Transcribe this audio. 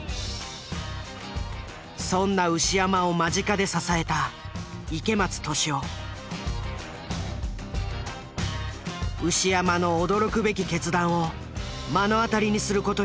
そんな牛山を間近で支えた牛山の驚くべき決断を目の当たりにする事になる。